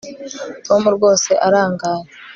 tom rwose arangaye